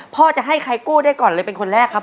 พ่อจะให้ใครกู้ได้ก่อนเลยเป็นคนแรกครับ